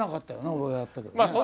俺がやったけどね。